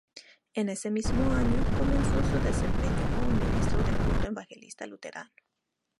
En ese mismo año comenzó su desempeño como ministro del culto evangelista luterano.